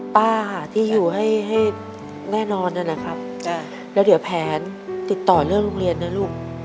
ป้าที่อยู่ให้ให้แน่นอนนะครับแล้วเดี๋ยวแผนติดต่อเรื่องโรงเรียนนะลูก